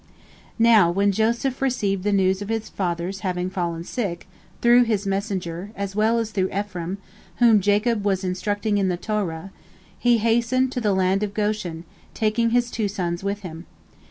Now when Joseph received the news of his father's having fallen sick, through his messenger, as well as through Ephraim, whom Jacob was instructing in the Torah, he hastened to the land of Goshen, taking his two sons with him.